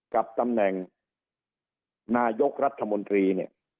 กับตำแหน่งนายกรัฐมนตรีเนี่ย